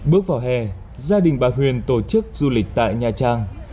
bước vào hè gia đình bà huyền tổ chức du lịch tại nha trang